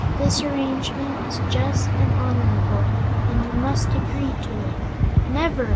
This arrangement is just and honorable, and you must agree to it." "Never!"